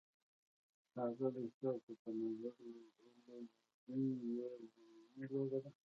ښاغلی، ستاسو په نظر لوژینګ یوه ژمنی لوبه ده؟